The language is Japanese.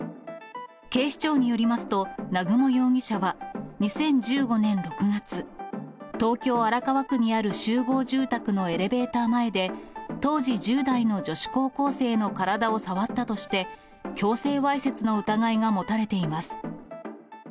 警視庁によりますと、南雲容疑者は２０１５年６月、東京・荒川区にある集合住宅のエレベーター前で、当時１０代の女子高校生の体を触ったとして、強制わいせつの疑いが持たれています。